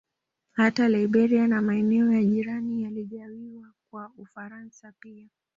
Hata Liberia na maeneo ya jirani yaligawiwa kwa Ufaransa pia